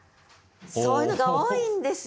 そういうのが多いんですよ。